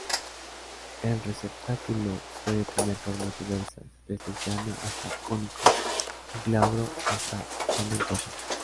El receptáculo puede tener formas diversas, desde llano hasta cónico y glabro hasta tomentoso.